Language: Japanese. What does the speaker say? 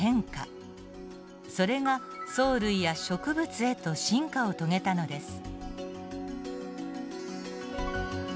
それが藻類や植物へと進化を遂げたのです。